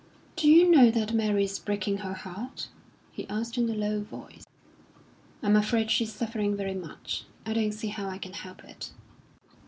"Do you know that Mary is breaking her heart?" he asked in a low voice. "I'm afraid she's suffering very much. I don't see how I can help it."